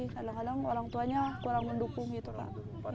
kadang kadang orang tuanya kurang mendukung gitu pak